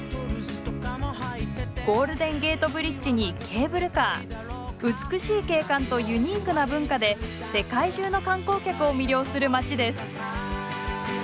ゴールデン・ゲート・ブリッジにケーブルカー美しい景観とユニークな文化で世界中の観光客を魅了する街です。